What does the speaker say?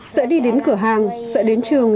sợ đi đến cửa hàng sợ đến trường